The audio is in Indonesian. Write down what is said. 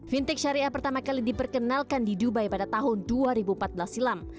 fintech syariah pertama kali diperkenalkan di dubai pada tahun dua ribu empat belas silam